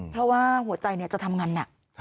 เพราะว่าหัวใจจะทำงานหนัก